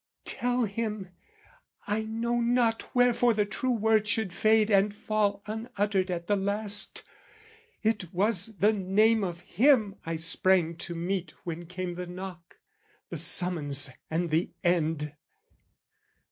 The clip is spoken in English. Tell him, I know not wherefore the true word Should fade and fall unuttered at the last It was the name of him I sprang to meet When came the knock, the summons and the end.